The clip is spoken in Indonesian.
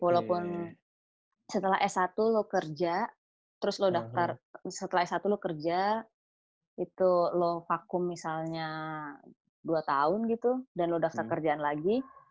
walaupun setelah s satu lo kerja terus lo daftar setelah s satu lo kerja itu lo vakum misalnya dua tahun gitu dan lo daftar kerjaan lagi